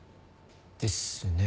ですね。